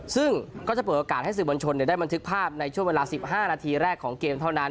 ซึ่งก็จะเปิดโอกาสให้สื่อมวลชนได้บันทึกภาพในช่วงเวลา๑๕นาทีแรกของเกมเท่านั้น